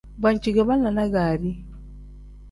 Banci ge banlanaa gaari.